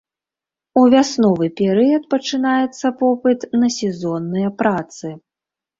У вясновы перыяд пачынаецца попыт на сезонныя працы.